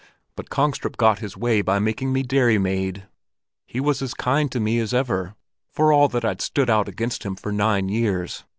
But Kongstrup got his way by making me dairymaid. He was as kind to me as ever, for all that I'd stood out against him for nine years.